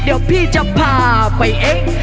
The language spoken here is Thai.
เดี๋ยวพี่จะพาไปเอง